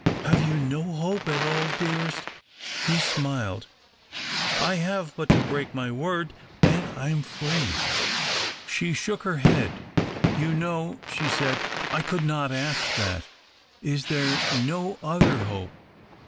Have you no hope at all, dearest ?" He smiled. " I have but to break my word, and I am free." 264 TUE OCTAVE OF CLAUDIUS. She shook her head. " You know," she said, " I could not ask that. Is there no other hope